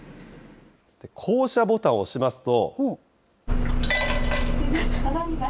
降車ボタンを押しますと。